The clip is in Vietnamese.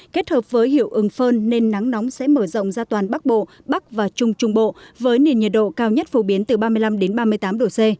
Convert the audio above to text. kết hợp với hiệu ứng phơn nên nắng nóng sẽ mở rộng ra toàn bắc bộ bắc và trung trung bộ với nền nhiệt độ cao nhất phổ biến từ ba mươi năm ba mươi tám độ c